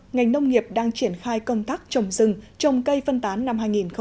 ngành nông nghiệp đang triển khai công tác trồng rừng trồng cây phân tán năm hai nghìn hai mươi